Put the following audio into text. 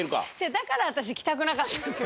だから私来たくなかったんですよ